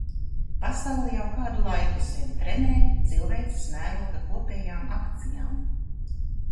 Pasaule jau kādu laiku sevi trenē cilvēces mēroga kopējām akcijām.